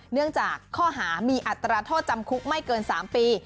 เนื่องจากข้อหามีอัตราโทษจำคุกไม่เกิน๓ปี